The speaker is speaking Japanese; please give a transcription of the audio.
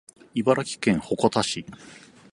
茨城県鉾田市